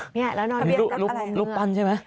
นี่แล้วนอนรูปปั้นใช่ไหม